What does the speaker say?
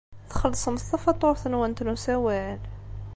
Txellṣemt tafatuṛt-nwent n usawal?